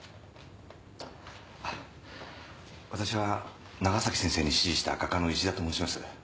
私は長崎先生に師事した画家の石田と申します。